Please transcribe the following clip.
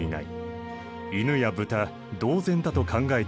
犬や豚同然だと考えているのだ。